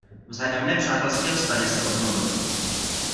Vzájemné přátelské vztahy se obnovily.